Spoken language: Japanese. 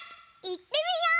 いってみよう！